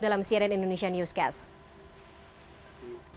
dalam siren indonesia newscast